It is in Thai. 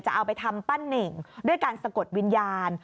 จะเอาไปทำปั้นเน่งด้วยการสะกดวิญญาณ